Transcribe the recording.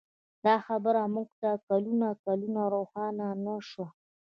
دا خبره موږ ته کلونه کلونه روښانه نه شوه.